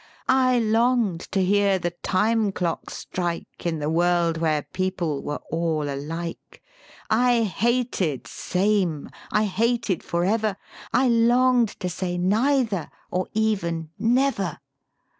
I long'd to hear the Time Clock strike In the world where people were all alike; I hated Same, I hated Forever; I long'd to say Neither, or even Never.